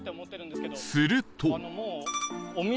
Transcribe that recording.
すると